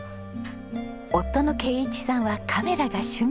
夫の啓一さんはカメラが趣味。